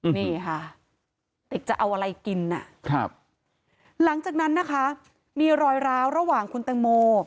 นี่ค่ะติกจะเอาอะไรกินหลังจากนั้นนะคะมีรอยร้าวระหว่างคุณแตงโม